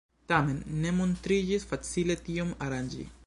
Tamen ne montriĝis facile tion aranĝi.